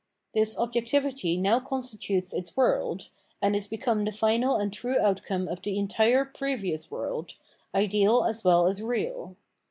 This objectivity now constitutes its world, and is become the final and true outcome of the entire previous world, ideal as well as real.